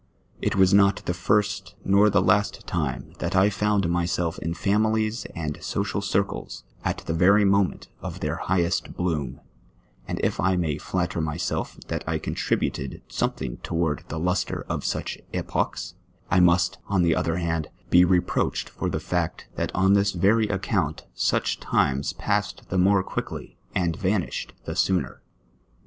It was not the first nor the last time that I found mvself in families and social circles at the veiT moment of their highest bloom, and if I may flatter myself that I contributed something towards the lustre of such epochs, I must, on the other hand, be reproached with the fact, that on this very account such times passed the more quickly and vanished the sooner.